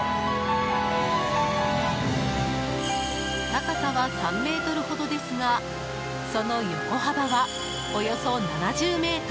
高さは３ｍほどですがその横幅はおよそ７０ｍ。